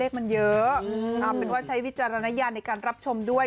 มันเยอะเอาเป็นว่าใช้วิจารณญาณในการรับชมด้วย